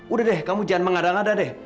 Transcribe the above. udah deh kamu jangan mengadang adang deh